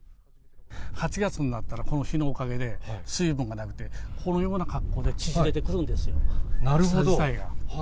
８月になったら、この日のおかげで水分がなくて、このような格好で縮れてくるんですよ、草自体が。